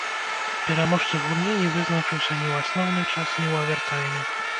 Пераможца гульні не вызначыўся ні ў асноўны час, ні ў авертайме.